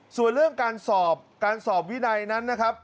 ส่วนเรื่องการสอบการสอบวินัยนั้นนะครับ